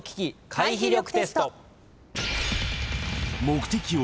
回避力テスト。